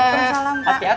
terima kasih pak